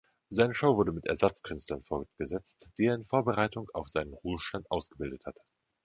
Seine Show wurde mit Ersatzkünstlern fortgesetzt, die er in Vorbereitung auf seinen Ruhestand ausgebildet hatte.